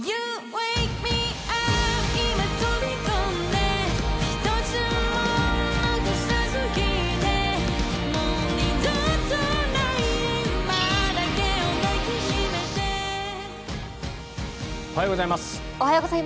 おはようございます。